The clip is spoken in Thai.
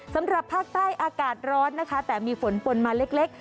สำหรับภาคใต้อากาศร้อนนะคะแต่มีฝนปนมาเล็ก